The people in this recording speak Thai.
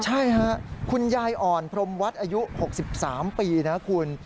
ใช่ค่ะคุณยายอ่อนพรมวัดอายุ๖๓ปีนะคุณ